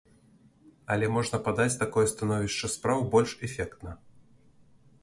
Але можна падаць такое становішча спраў больш эфектна.